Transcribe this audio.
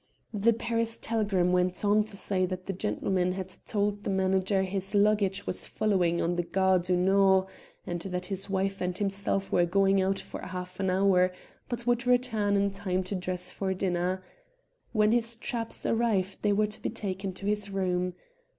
The Paris telegram went on to say that the gentleman had told the manager his luggage was following from the Gare du Nord, and that his wife and himself were going out for half an hour, but would return in time to dress for dinner. When his traps arrived they were to be taken to his room.